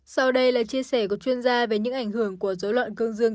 sau đây là chia sẻ của chuyên gia về những ảnh hưởng của dối loạn cương dương